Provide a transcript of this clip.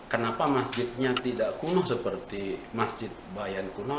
kenapa masjidnya tidak kuno seperti masjid bayan kuno